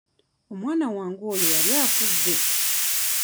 Omwana wange oyo yali afudde.